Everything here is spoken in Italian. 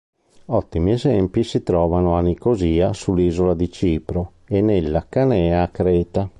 Ottimi esempi si trovano a Nicosia sull'isola di Cipro e nella Canea a Creta.